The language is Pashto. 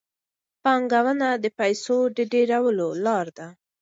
پانګونه د پیسو د ډېرولو لار ده.